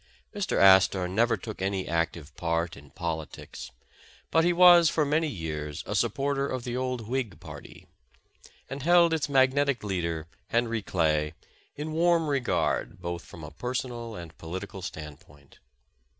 Mr. Astor never took any active part in politics, but he was for many years a supporter of the old Whig party, and held its magnetic leader, Henry Clay, in warm regard both from a personal and political stand point.